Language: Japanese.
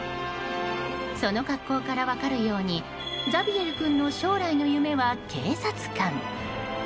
その格好から分かるようにザビエル君の将来の夢は警察官。